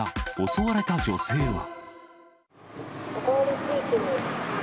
襲われた女性は。